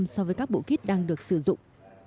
so với các bộ kit đang được sử dụng